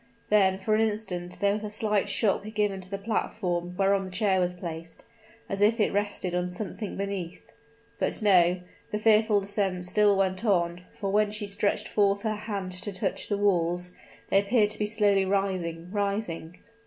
Then, for an instant there was a slight shock given to the platform whereon the chair was placed as if it rested on something beneath. But no; the fearful descent still went on for, when she again stretched forth her hand to touch the walls, they appeared to be slowly rising rising!